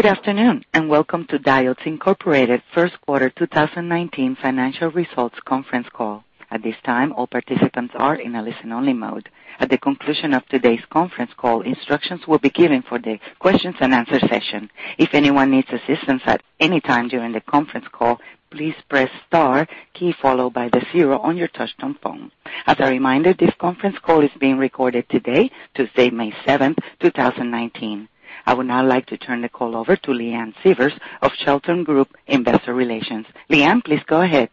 Good afternoon, and welcome to Diodes Incorporated First Quarter 2019 financial results conference call. At this time, all participants are in a listen-only mode. At the conclusion of today's conference call, instructions will be given for the questions and answer session. If anyone needs assistance at any time during the conference call, please press star key followed by the zero on your touchtone phone. As a reminder, this conference call is being recorded today, Tuesday, May 7, 2019. I would now like to turn the call over to Leanne Sievers of Shelton Group Investor Relations. Leanne, please go ahead.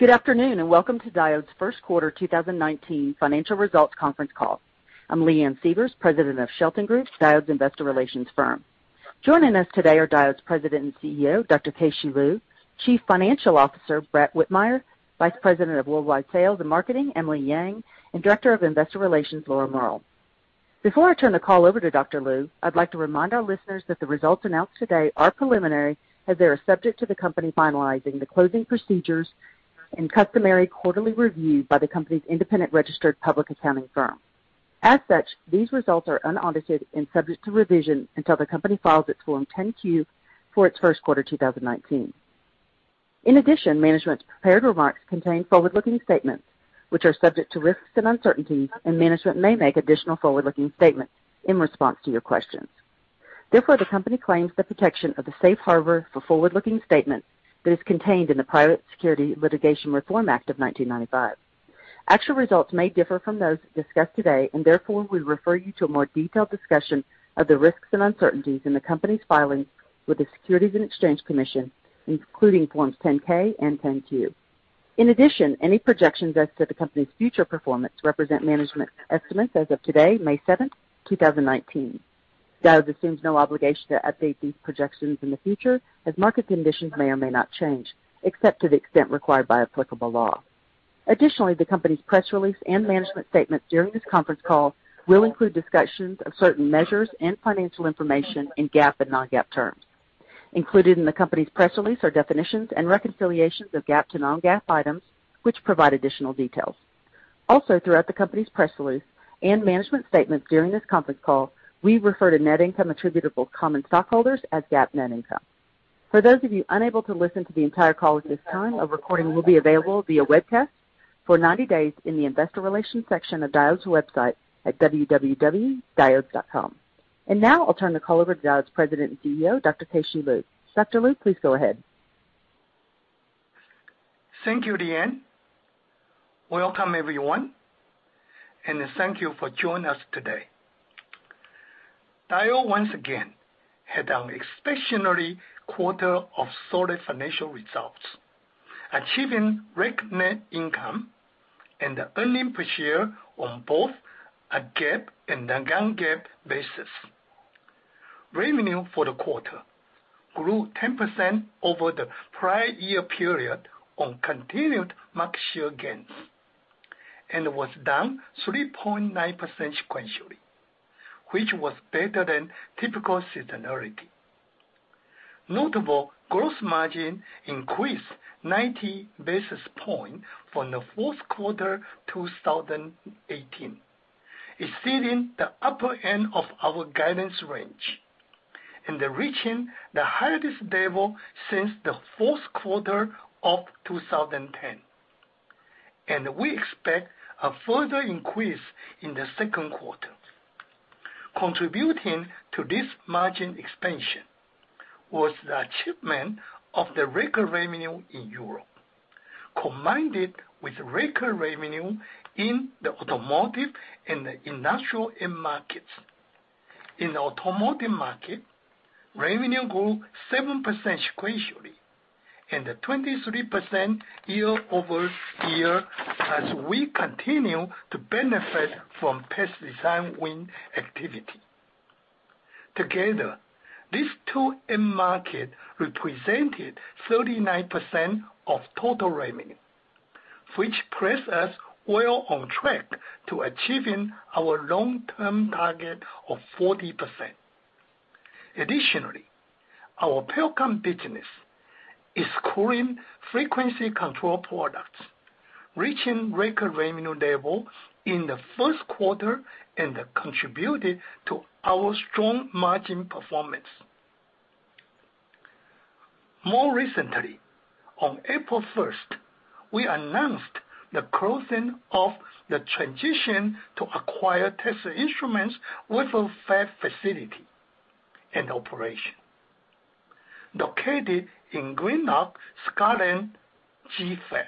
Good afternoon, and welcome to Diodes First Quarter 2019 financial results conference call. I'm Leanne Sievers, president of Shelton Group, Diodes investor relations firm. Joining us today are Diodes President and CEO, Dr. Keh-Shew Lu, Chief Financial Officer, Brett Whitmire, Vice President of Worldwide Sales and Marketing, Emily Yang, and Director of Investor Relations, Laura Mehr. Before I turn the call over to Dr. Lu, I'd like to remind our listeners that the results announced today are preliminary as they are subject to the company finalizing the closing procedures and customary quarterly review by the company's independent registered public accounting firm. As such, these results are unaudited and subject to revision until the company files its Form 10-Q for its first quarter 2019. In addition, management's prepared remarks contain forward-looking statements which are subject to risks and uncertainties, and management may make additional forward-looking statements in response to your questions. Therefore, the company claims the protection of the safe harbor for forward-looking statements that is contained in the Private Securities Litigation Reform Act of 1995. Actual results may differ from those discussed today, and therefore, we refer you to a more detailed discussion of the risks and uncertainties in the company's filings with the Securities and Exchange Commission, including Forms 10-K and 10-Q. In addition, any projections as to the company's future performance represent management estimates as of today, May 7, 2019. Diodes assumes no obligation to update these projections in the future as market conditions may or may not change, except to the extent required by applicable law. Additionally, the company's press release and management statements during this conference call will include discussions of certain measures and financial information in GAAP and non-GAAP terms. Included in the company's press release are definitions and reconciliations of GAAP to non-GAAP items which provide additional details. Also, throughout the company's press release and management statements during this conference call, we refer to net income attributable to common stockholders as GAAP net income. For those of you unable to listen to the entire call at this time, a recording will be available via webcast for 90 days in the investor relations section of Diodes website at www.diodes.com. Now I'll turn the call over to Diodes President and CEO, Dr. Keh-Shew Lu. Dr. Lu, please go ahead. Thank you, Leanne. Welcome, everyone, and thank you for joining us today. Diodes once again had an exceptional quarter of solid financial results, achieving record net income and earnings per share on both a GAAP and a non-GAAP basis. Revenue for the quarter grew 10% over the prior year period on continued market share gains and was down 3.9% sequentially, which was better than typical seasonality. Notable gross margin increased 90 basis points from the fourth quarter of 2018, exceeding the upper end of our guidance range and reaching the highest level since the fourth quarter of 2010. We expect a further increase in the second quarter. Contributing to this margin expansion was the achievement of the record revenue in Europe, combined with record revenue in the automotive and industrial end markets. In the automotive market, revenue grew 7% sequentially and 23% year-over-year as we continue to benefit from past design win activity. Together, these two end markets represented 39% of total revenue, which place us well on track to achieving our long-term target of 40%. Additionally, our Pericom business is growing frequency control products, reaching record revenue level in the first quarter and contributed to our strong margin performance. More recently, on April 1, we announced the closing of the transition to acquire Texas Instruments wafer fab facility and operation located in Greenock, Scotland GFAB.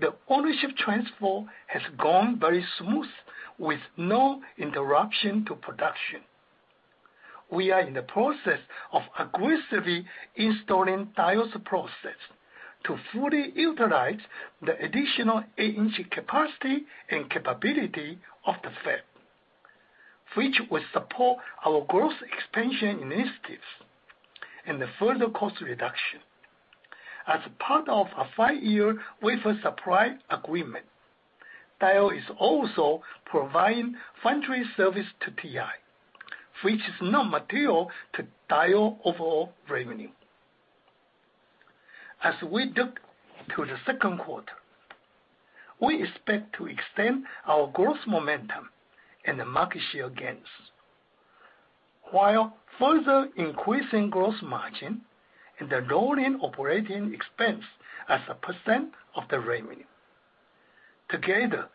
The ownership transfer has gone very smooth with no interruption to production. We are in the process of aggressively installing Diodes' process to fully utilize the additional eight-inch capacity and capability of the fab, which will support our growth expansion initiatives and further cost reductions. As part of a five-year wafer supply agreement, Diodes is also providing foundry service to TI, which is not material to Diodes overall revenue. As we look to the second quarter, we expect to extend our growth momentum and market share gains, while further increasing gross margin and lowering operating expense as a percentage of revenue. Together,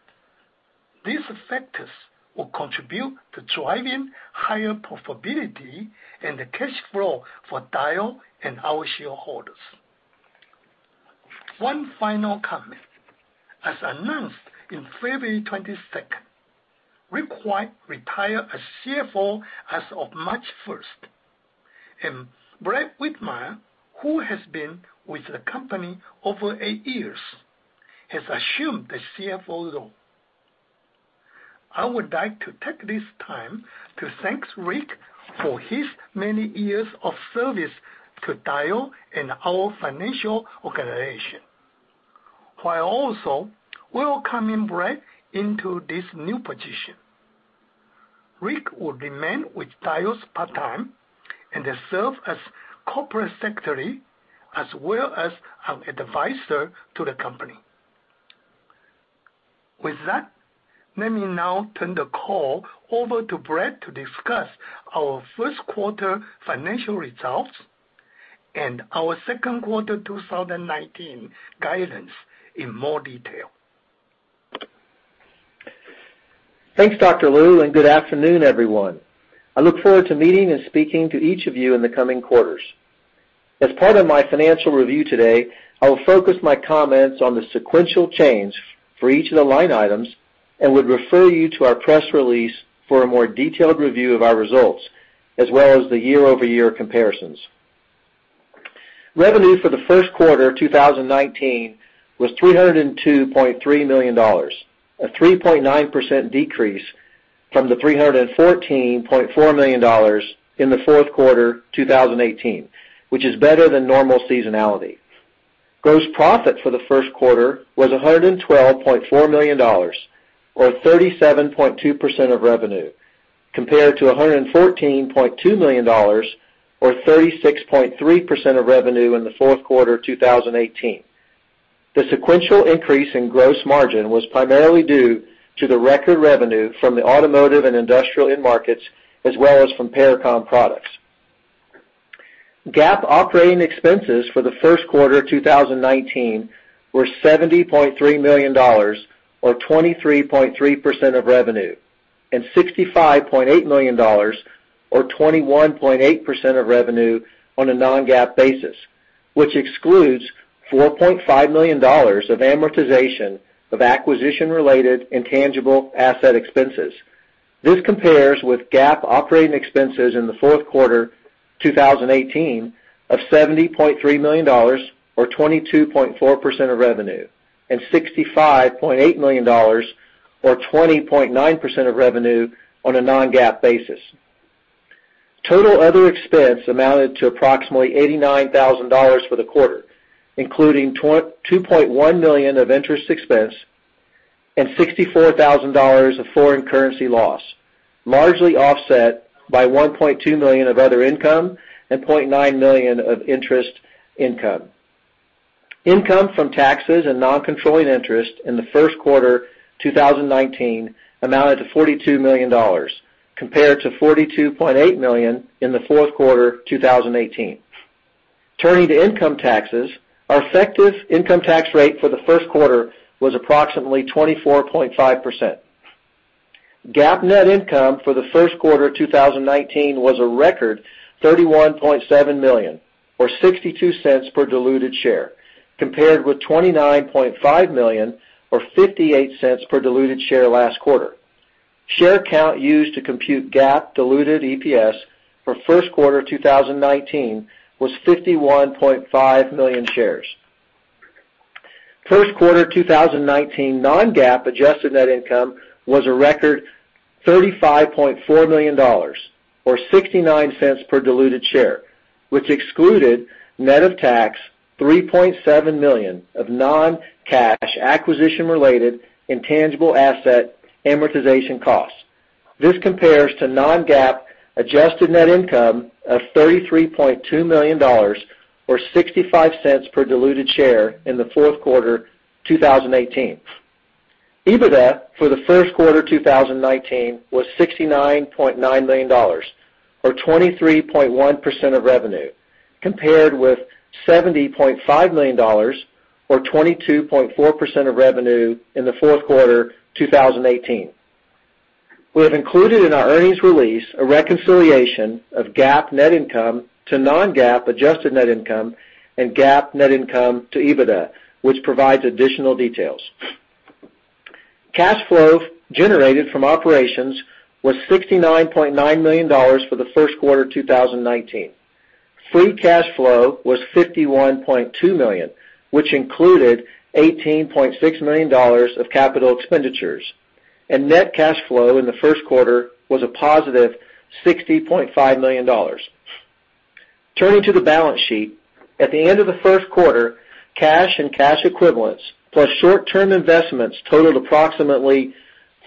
these factors will contribute to driving higher profitability and cash flow for Diodes and our shareholders. One final comment. As announced on February 22, Rick White retired as CFO as of March 1, and Brett Whitmire, who has been with the company over eight years, has assumed the CFO role. I would like to take this time to thank Rick for his many years of service to Diodes and our financial organization, while also welcoming Brett into this new position. Rick will remain with Diodes part-time and serve as corporate secretary as well as an advisor to the company. With that, let me now turn the call over to Brett to discuss our first quarter financial results and our second quarter of 2019 guidance in more detail. Thanks, Dr. Lu, and good afternoon, everyone. I look forward to meeting and speaking to each of you in the coming quarters. As part of my financial review today, I will focus my comments on the sequential change for each of the line items and would refer you to our press release for a more detailed review of our results, as well as the year-over-year comparisons. Revenue for the first quarter 2019 was $302.3 million, a 3.9% decrease from the $314.4 million in the fourth quarter 2018, which is better than normal seasonality. Gross profit for the first quarter was $112.4 million or 37.2% of revenue, compared to $114.2 million or 36.3% of revenue in the fourth quarter 2018. The sequential increase in gross margin was primarily due to the record revenue from the automotive and industrial end markets, as well as from Pericom products. GAAP operating expenses for the first quarter 2019 were $70.3 million or 23.3% of revenue, and $65.8 million or 21.8% of revenue on a non-GAAP basis, which excludes $4.5 million of amortization of acquisition-related intangible asset expenses. This compares with GAAP operating expenses in the fourth quarter 2018 of $70.3 million or 22.4% of revenue, and $65.8 million or 20.9% of revenue on a non-GAAP basis. Total other expense amounted to approximately $89,000 for the quarter, including $2.1 million of interest expense and $64,000 of foreign currency loss, largely offset by $1.2 million of other income and $0.9 million of interest income. Income from taxes and non-controlling interest in the first quarter 2019 amounted to $42 million compared to $42.8 million in the fourth quarter 2018. Turning to income taxes, our effective income tax rate for the first quarter was approximately 24.5%. GAAP net income for the first quarter 2019 was a record $31.7 million or $0.62 per diluted share, compared with $29.5 million or $0.58 per diluted share last quarter. Share count used to compute GAAP diluted EPS for first quarter 2019 was 51.5 million shares. First quarter 2019 non-GAAP adjusted net income was a record $35.4 million or $0.69 per diluted share, which excluded net of tax, $3.7 million of non-cash acquisition related intangible asset amortization costs. This compares to non-GAAP adjusted net income of $33.2 million or $0.65 per diluted share in the fourth quarter 2018. EBITDA for the first quarter 2019 was $69.9 million or 23.1% of revenue, compared with $70.5 million or 22.4% of revenue in the fourth quarter 2018. We have included in our earnings release a reconciliation of GAAP net income to non-GAAP adjusted net income and GAAP net income to EBITDA, which provides additional details. Cash flow generated from operations was $69.9 million for the first quarter 2019. Free cash flow was $51.2 million, which included $18.6 million of capital expenditures. Net cash flow in the first quarter was a positive $60.5 million. Turning to the balance sheet. At the end of the first quarter, cash and cash equivalents plus short-term investments totaled approximately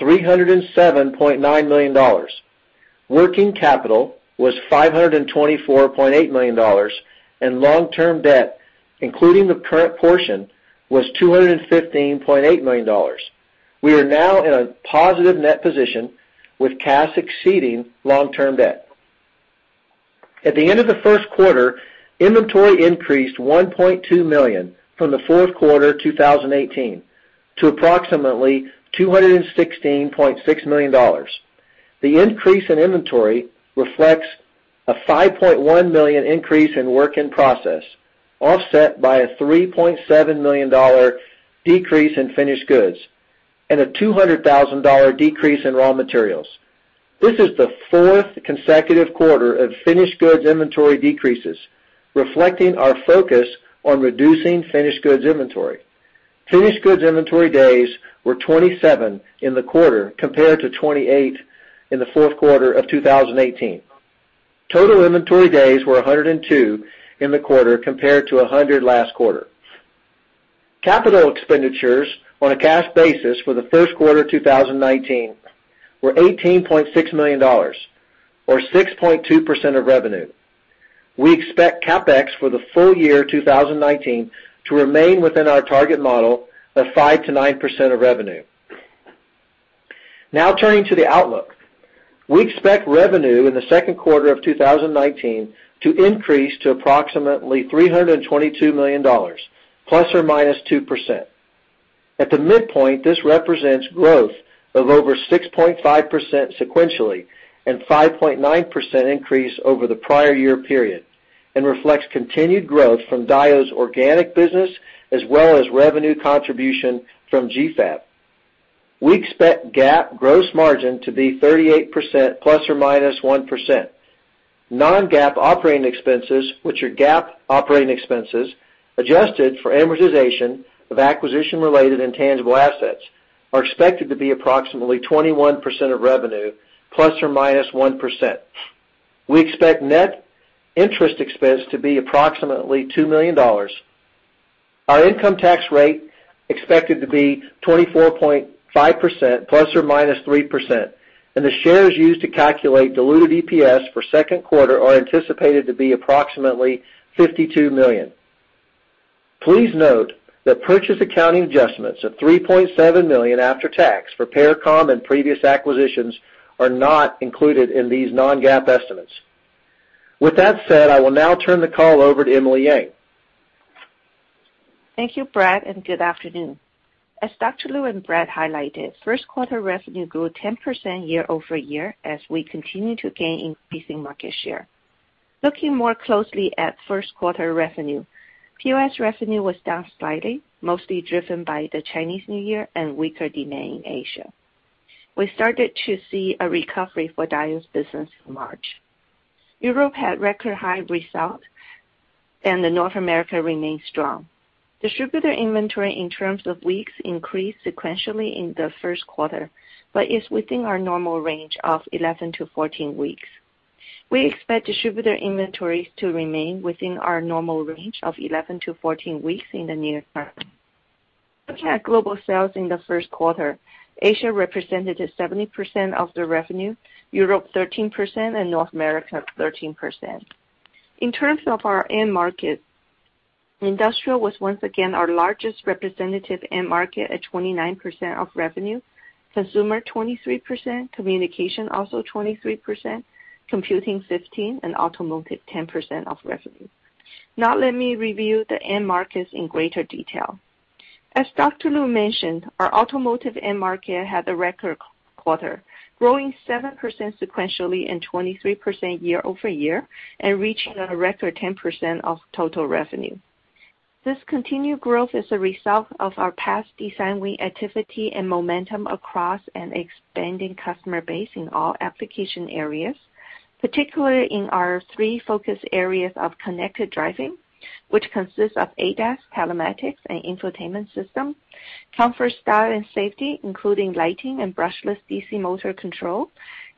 $307.9 million. Working capital was $524.8 million and long-term debt, including the current portion, was $215.8 million. We are now in a positive net position with cash exceeding long-term debt. At the end of the first quarter, inventory increased $1.2 million from the fourth quarter 2018 to approximately $216.6 million. The increase in inventory reflects a $5.1 million increase in work in process, offset by a $3.7 million decrease in finished goods and a $200,000 decrease in raw materials. This is the fourth consecutive quarter of finished goods inventory decreases, reflecting our focus on reducing finished goods inventory. Finished goods inventory days were 27 in the quarter compared to 28 in the fourth quarter of 2018. Total inventory days were 102 in the quarter compared to 100 last quarter. Capital expenditures on a cash basis for the first quarter 2019 were $18.6 million, or 6.2% of revenue. We expect CapEx for the full year 2019 to remain within our target model of 5%-9% of revenue. Turning to the outlook. We expect revenue in the second quarter of 2019 to increase to approximately $322 million ±2%. At the midpoint, this represents growth of over 6.5% sequentially and 5.9% increase over the prior year period and reflects continued growth from Diodes' organic business, as well as revenue contribution from GFAB. We expect GAAP gross margin to be 38% ±1%. Non-GAAP operating expenses, which are GAAP operating expenses, adjusted for amortization of acquisition-related intangible assets, are expected to be approximately 21% of revenue ±1%. We expect net interest expense to be approximately $2 million. Our income tax rate expected to be 24.5% ±3%, and the shares used to calculate diluted EPS for second quarter are anticipated to be approximately $52 million. Please note that purchase accounting adjustments of $3.7 million after tax for Pericom and previous acquisitions are not included in these non-GAAP estimates. With that said, I will now turn the call over to Emily Yang. Thank you, Brett, and good afternoon. As Keh-Shew Lu and Brett highlighted, first quarter revenue grew 10% year-over-year as we continue to gain increasing market share. Looking more closely at first quarter revenue, POS revenue was down slightly, mostly driven by the Chinese New Year and weaker demand in Asia. We started to see a recovery for Diodes business in March. Europe had record high results. The North America remained strong. Distributor inventory in terms of weeks increased sequentially in the first quarter, but is within our normal range of 11-14 weeks. We expect distributor inventories to remain within our normal range of 11-14 weeks in the near term. Looking at global sales in the first quarter, Asia represented 70% of the revenue, Europe 13%, and North America 13%. In terms of our end market, industrial was once again our largest representative end market at 29% of revenue, consumer 23%, communication also 23%, computing 15%, and automotive 10% of revenue. Let me review the end markets in greater detail. As Keh-Shew Lu mentioned, our automotive end market had a record quarter, growing 7% sequentially and 23% year-over-year and reaching a record 10% of total revenue. This continued growth is a result of our past design win activity and momentum across an expanding customer base in all application areas, particularly in our three focus areas of connected driving, which consists of ADAS, telematics, and infotainment system, comfort, style, and safety, including lighting and brushless DC motor control,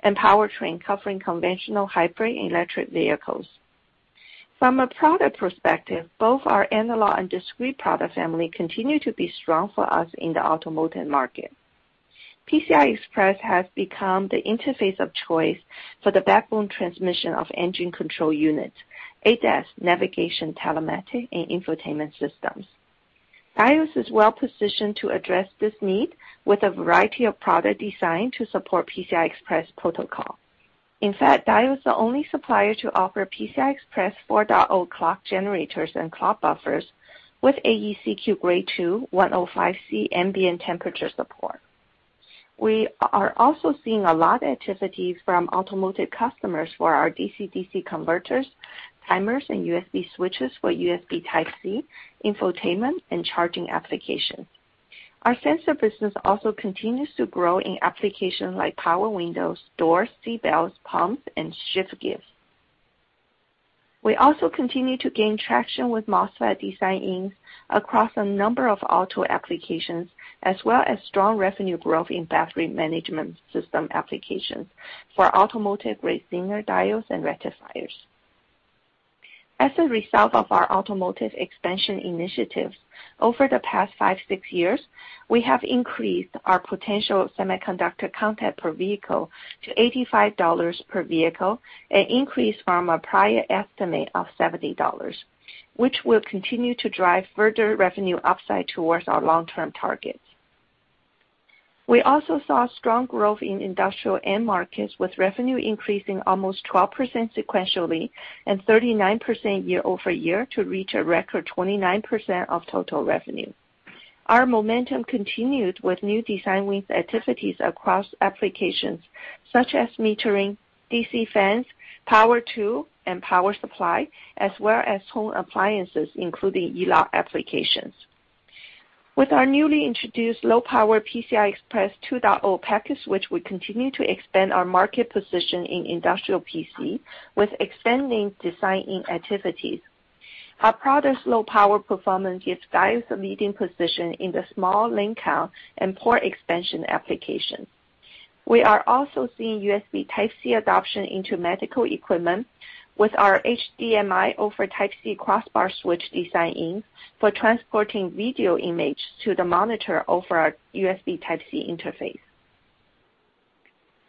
and powertrain covering conventional hybrid and electric vehicles. From a product perspective, both our analog and discrete product family continue to be strong for us in the automotive market. PCI Express has become the interface of choice for the backbone transmission of engine control units, ADAS, navigation, telematic, and infotainment systems. Diodes is well positioned to address this need with a variety of product design to support PCI Express protocol. In fact, Diodes is the only supplier to offer PCI Express 4.0 clock generators and clock buffers with AEC-Q Grade 2, 105 degrees Celsius ambient temperature support. We are also seeing a lot of activities from automotive customers for our DC-DC converters, timers, and USB switches for USB Type-C, infotainment, and charging applications. Our sensor business also continues to grow in applications like power windows, doors, seat belts, pumps, and shift gates. We also continue to gain traction with MOSFET design-ins across a number of auto applications, as well as strong revenue growth in battery management system applications for automotive grade diodes and rectifiers. As a result of our automotive expansion initiatives over the past five, six years, we have increased our potential semiconductor content per vehicle to $85 per vehicle, an increase from a prior estimate of $70, which will continue to drive further revenue upside towards our long-term targets. We also saw strong growth in industrial end markets, with revenue increasing almost 12% sequentially and 39% year-over-year to reach a record 29% of total revenue. Our momentum continued with new design win activities across applications such as metering, DC fans, power tool, and power supply, as well as home appliances, including ELAR applications. With our newly introduced low-power PCI Express 2.0 package switch, we continue to expand our market position in industrial PC with expanding design activities. Our product's low power performance gives Diodes a leading position in the small link count and port expansion application. We are also seeing USB Type-C adoption into medical equipment with our HDMI over Type-C crossbar switch design-in for transporting video image to the monitor over our USB Type-C interface.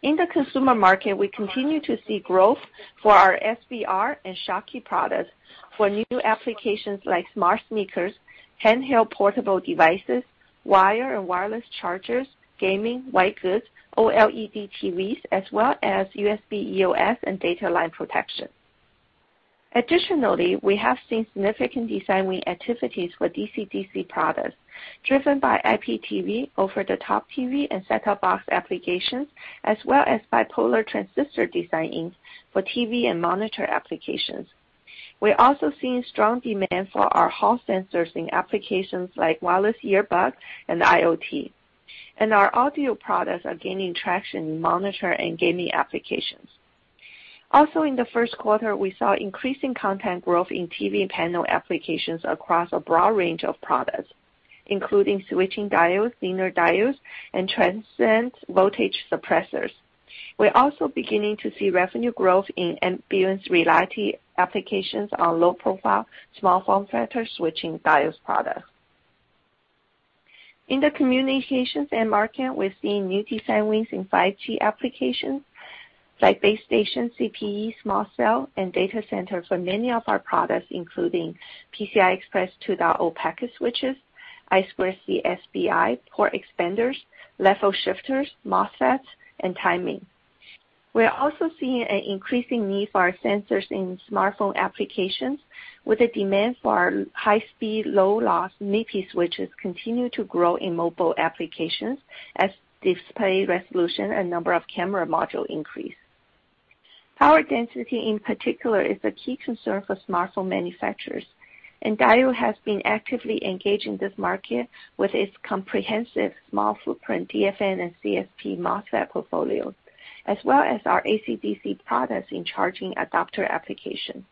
In the consumer market, we continue to see growth for our SBR and Schottky products for new applications like smart sneakers, handheld portable devices, wire and wireless chargers, gaming, white goods, OLED TVs, as well as USB ESD and data line protection. Additionally, we have seen significant design win activities for DC-DC products driven by IPTV, over-the-top TV, and set-top box applications, as well as bipolar transistor design-ins for TV and monitor applications. We're also seeing strong demand for our Hall sensors in applications like wireless earbuds and IoT, and our audio products are gaining traction in monitor and gaming applications. Also, in the first quarter, we saw increasing content growth in TV and panel applications across a broad range of products, including switching diodes, zener diodes, and transient voltage suppressors. We're also beginning to see revenue growth in augmented reality applications on low-profile, small form factor switching diodes products. In the communications end market, we're seeing new design wins in 5G applications like base station, CPE, small cell, and data center for many of our products, including PCI Express 2.0 packet switches, I2C SPI, port expanders, level shifters, MOSFETs, and timing. We are also seeing an increasing need for our sensors in smartphone applications, with the demand for our high-speed, low-loss MIPI switches continue to grow in mobile applications as display resolution and number of camera module increase. Power density, in particular, is a key concern for smartphone manufacturers, and Diodes has been actively engaged in this market with its comprehensive small footprint DFN and CSP MOSFET portfolios, as well as our AC-DC products in charging adapter applications.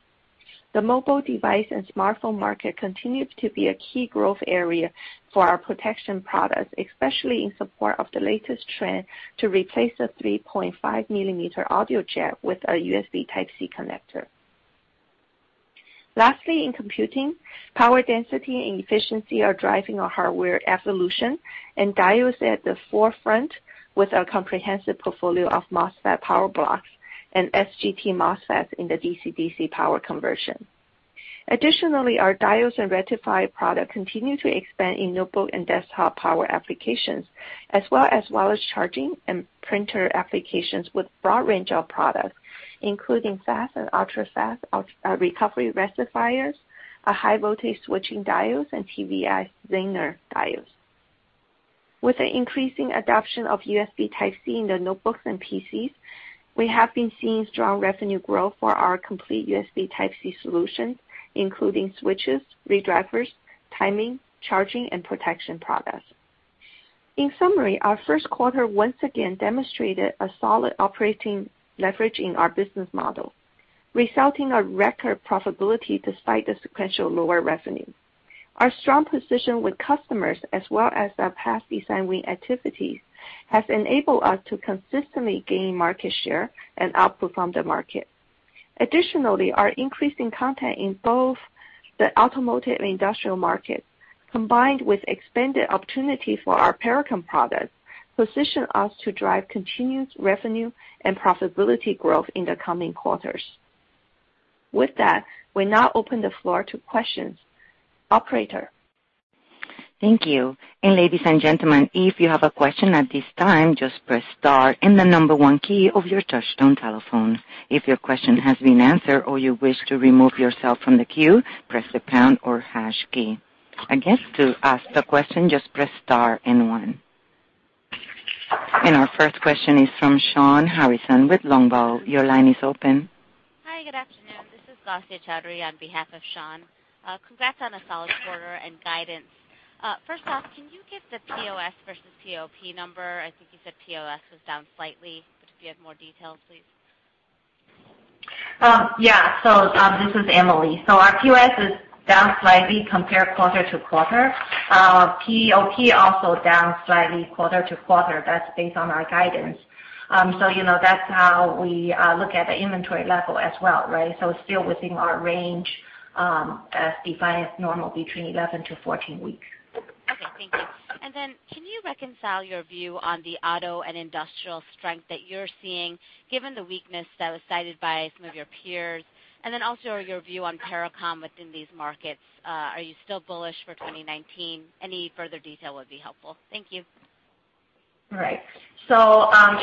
The mobile device and smartphone market continues to be a key growth area for our protection products, especially in support of the latest trend to replace the 3.5 millimeter audio jack with a USB Type-C connector. Lastly, in computing, power density and efficiency are driving our hardware evolution, and Diodes is at the forefront with our comprehensive portfolio of MOSFET power blocks and SGT MOSFETs in the DC-DC power conversion. Additionally, our diodes and rectifier products continue to expand in notebook and desktop power applications, as well as wireless charging and printer applications with broad range of products, including fast and ultra-fast recovery rectifiers, high voltage switching diodes, and TVS zener diodes. With the increasing adoption of USB Type-C in the notebooks and PCs, we have been seeing strong revenue growth for our complete USB Type-C solutions, including switches, ReDrivers, timing, charging, and protection products. In summary, our first quarter once again demonstrated a solid operating leverage in our business model, resulting in record profitability despite the sequential lower revenue. Our strong position with customers as well as our past design win activities has enabled us to consistently gain market share and outperform the market. Additionally, our increasing content in both the automotive and industrial markets, combined with expanded opportunity for our Pericom products, position us to drive continued revenue and profitability growth in the coming quarters. With that, we now open the floor to questions. Operator? Thank you. Ladies and gentlemen, if you have a question at this time, just press star and the number 1 key of your touchtone telephone. If your question has been answered or you wish to remove yourself from the queue, press the pound or hash key. Again, to ask the question, just press star and one. Our first question is from Shawn Harrison with Longbow. Your line is open. Hi, good afternoon. This is Gousia Choudhry on behalf of Shawn. Congrats on a solid quarter and guidance. First off, can you give the POS versus POP number? I think you said POS was down slightly, but if you have more details, please. Yeah. This is Emily. Our POS is down slightly compared quarter-to-quarter. POP also down slightly quarter-to-quarter. That's based on our guidance. That's how we look at the inventory level as well, right? It's still within our range, as defined as normal between 11-14 weeks. Can you reconcile your view on the auto and industrial strength that you're seeing given the weakness that was cited by some of your peers? Also your view on Pericom within these markets. Are you still bullish for 2019? Any further detail would be helpful. Thank you. Right.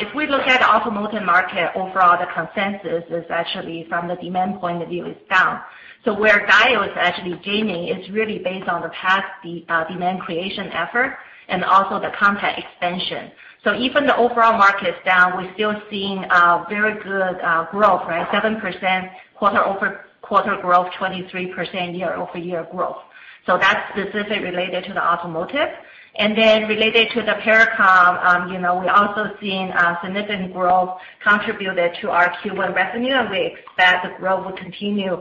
If we look at the automotive market overall, the consensus is actually from the demand point of view is down. Where Diodes is actually gaining is really based on the past demand creation effort and also the content expansion. Even the overall market is down, we're still seeing very good growth, 7% quarter-over-quarter growth, 23% year-over-year growth. That's specifically related to the automotive. Related to the Pericom, we're also seeing significant growth contributed to our Q1 revenue, and we expect the growth will continue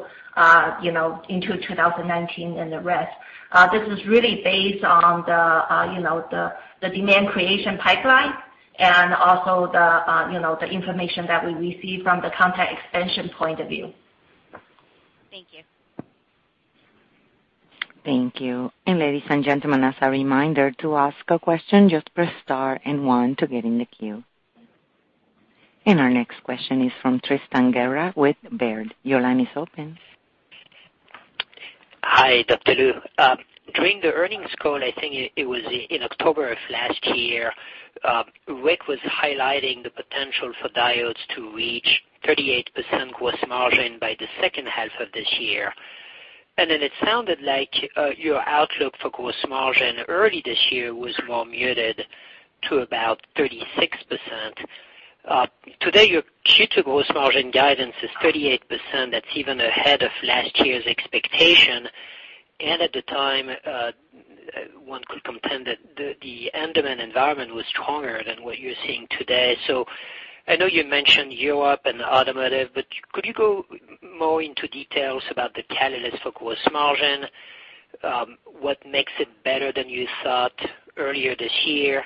into 2019 and the rest. This is really based on the demand creation pipeline and also the information that we receive from the content expansion point of view. Thank you. Thank you. Ladies and gentlemen, as a reminder, to ask a question, just press star and one to get in the queue. Our next question is from Tristan Gerra with Baird. Your line is open. Hi, Dr. Lu. During the earnings call, I think it was in October of last year, Rick was highlighting the potential for Diodes to reach 38% gross margin by the second half of this year. It sounded like your outlook for gross margin early this year was more muted to about 36%. Today, your Q2 gross margin guidance is 38%, that's even ahead of last year's expectation. At the time, one could contend that the end demand environment was stronger than what you're seeing today. I know you mentioned Europe and automotive, but could you go more into details about the catalyst for gross margin? What makes it better than you thought earlier this year?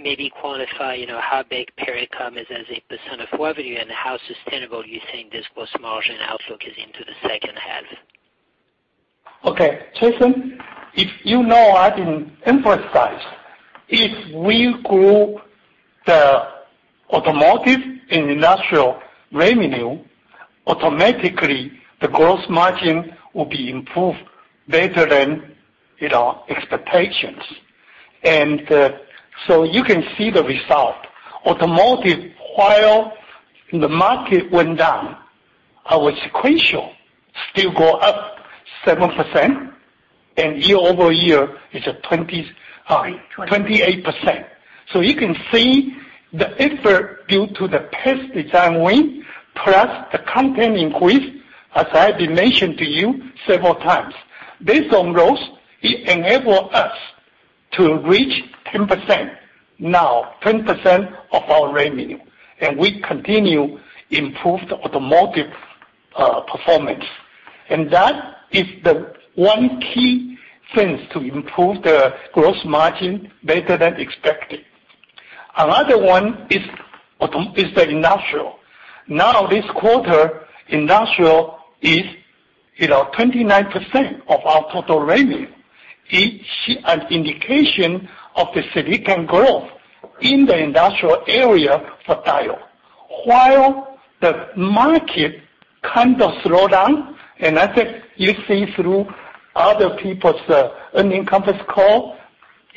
Maybe quantify how big Pericom is as a % of revenue and how sustainable you think this gross margin outlook is into the second half. Okay. Tristan, if you know, I can emphasize, if we grow the automotive and industrial revenue, automatically the gross margin will be improved better than expectations. You can see the result. Automotive, while the market went down, our sequential still go up 7%, and year-over-year is at 28%. You can see the effort due to the past design win, plus the content increase, as I've been mentioning to you several times. Based on those, it enable us to reach 10% now, 10% of our revenue, and we continue improved automotive performance. That is the one key thing to improve the gross margin better than expected. Another one is the industrial. Now, this quarter, industrial is 29% of our total revenue, is an indication of the silicon growth in the industrial area for Diodes. While the market kind of slowed down, I think you see through other people's earnings conference call,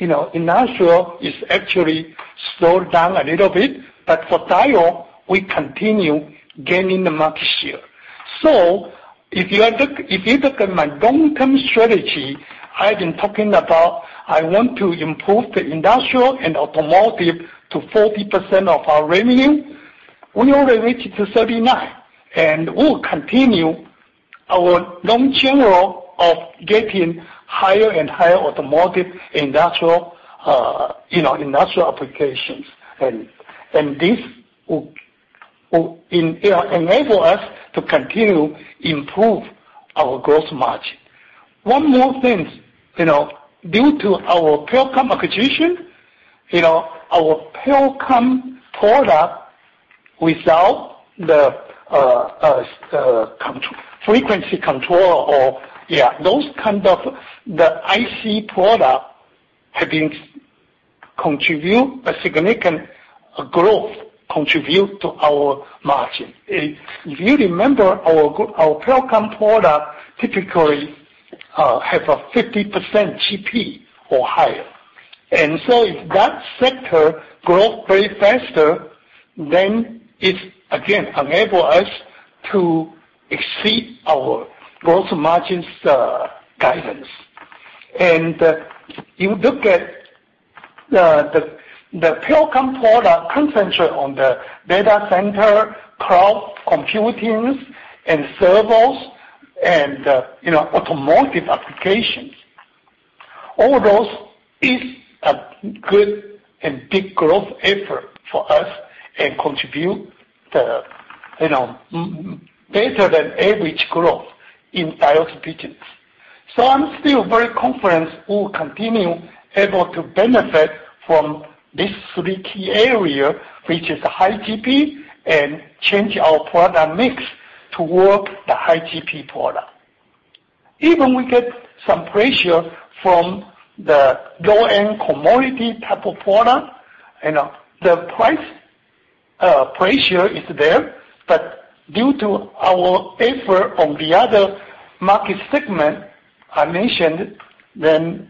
industrial is actually slowed down a little bit. For Diodes, we continue gaining the market share. If you look at my long-term strategy, I've been talking about, I want to improve the industrial and automotive to 40% of our revenue. We already reached to 39%, and we will continue our long-term role of getting higher and higher automotive industrial applications. This will enable us to continue improve our gross margin. One more thing. Due to our Pericom acquisition, our Pericom product without the frequency control or those kind of the IC product has been contributed a significant growth to our margin. If you remember, our Pericom product typically has a 50% GP or higher. If that sector grows much faster, it again enables us to exceed our gross margin guidance. If you look at the Pericom products concentrate on the data center, cloud computing and servers and automotive applications. All those are a good and big growth effort for us and contributes the better than average growth in Diodes' business. I'm still very confident we'll continue to be able to benefit from these three key areas, which are high GP and change our product mix toward the high GP product. Even if we get some pressure from the low-end commodity type of product, the price pressure is there. Due to our effort on the other market segment I mentioned,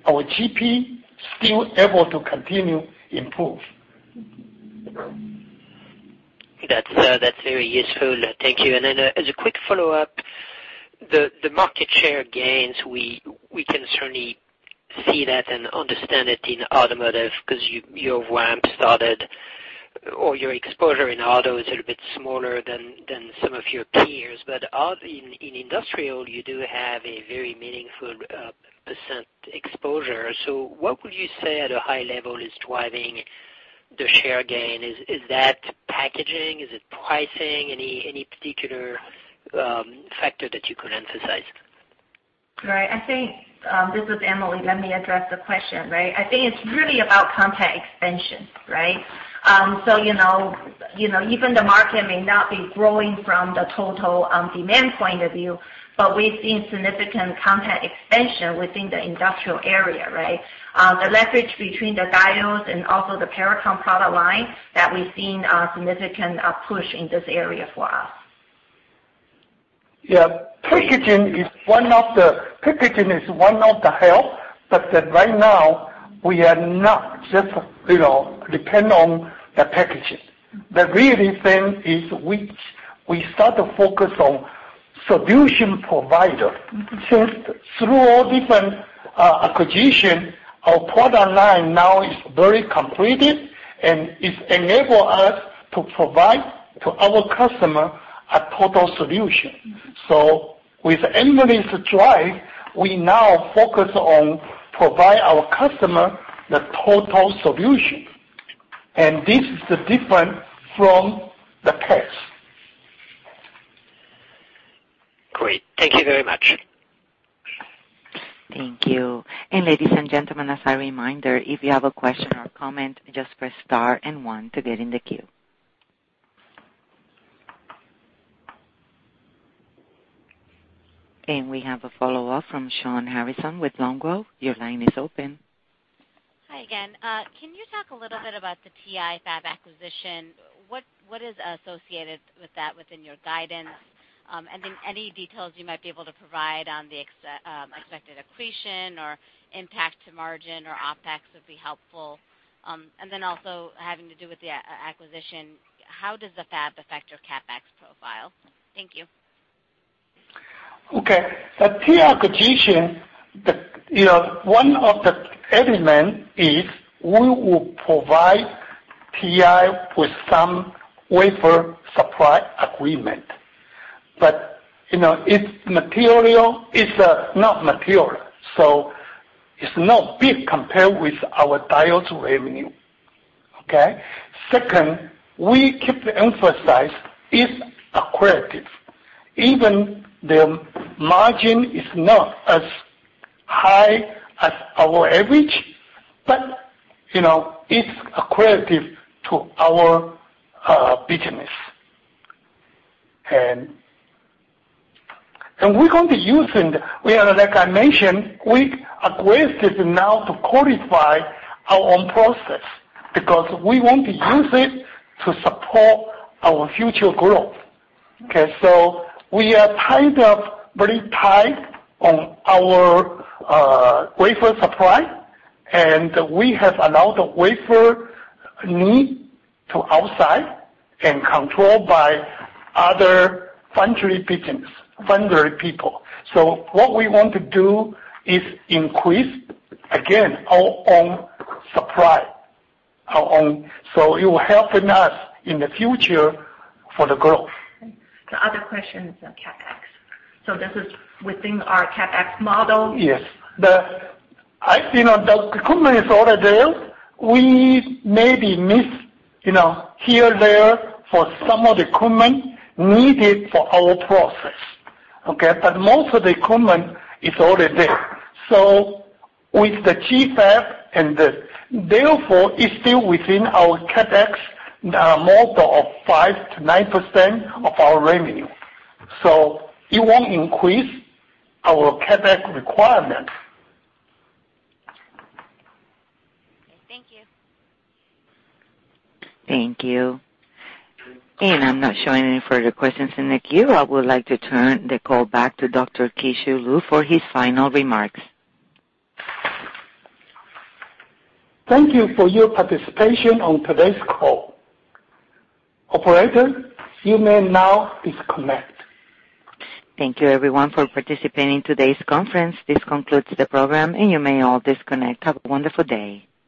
our GP is still able to continue to improve. That's very useful. Thank you. As a quick follow-up, the market share gains, we can certainly see that and understand it in automotive because your ramp started or your exposure in automotive is a little bit smaller than some of your peers. In industrial, you do have a very meaningful % exposure. What would you say at a high level is driving the share gain? Is that packaging? Is it pricing? Any particular factor that you could emphasize? Right. This is Emily. Let me address the question. I think it's really about content expansion. Even the market may not be growing from the total demand point of view, we've seen significant content expansion within the industrial area. The leverage between the Diodes and also the Pericom product line that we've seen a significant push in this area for us. Yeah. Packaging is one of the help, but right now, we are not just dependent on the packaging. The real thing is we start to focus on solution provider. Through all different acquisition, our product line now is very completed, and it enable us to provide to our customer a total solution. With Emily's drive, we now focus on provide our customer the total solution. This is different from the past. Great. Thank you very much. Thank you. Ladies and gentlemen, as a reminder, if you have a question or comment, just press star and one to get in the queue. We have a follow-up from Shawn Harrison with Longbow Research. Your line is open. Hi again. Can you talk a little bit about the TI fab acquisition? What is associated with that within your guidance? Any details you might be able to provide on the expected accretion or impact to margin or OpEx would be helpful. Also having to do with the acquisition, how does the fab affect your CapEx profile? Thank you. Okay. The Texas Instruments acquisition, one of the element is we will provide Texas Instruments with some wafer supply agreement. It's not material. It's not big compared with our Diodes revenue. Okay. Second, we keep the emphasis is accretive. Even the margin is not as high as our average, but it's accretive to our business. Like I mentioned, we aggressive now to qualify our own process because we want to use it to support our future growth. Okay. We are kind of very tight on our wafer supply, and we have a lot of wafer need to outside and controlled by other foundry people. What we want to do is increase, again, our own supply. It will helping us in the future for the growth. The other question is on CapEx. This is within our CapEx model? Yes. The equipment is already there. We maybe miss here, there for some of the equipment needed for our process. Okay. Most of the equipment is already there. With the GFAB and this, therefore, it's still within our CapEx model of 5%-9% of our revenue. It won't increase our CapEx requirement. Okay. Thank you. Thank you. I'm not showing any further questions in the queue. I would like to turn the call back to Dr. Keh-Shew Lu for his final remarks. Thank you for your participation on today's call. Operator, you may now disconnect. Thank you everyone for participating in today's conference. This concludes the program, and you may all disconnect. Have a wonderful day.